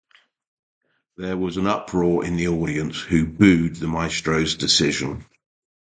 There was an uproar in the audience, who booed the maestro's decision.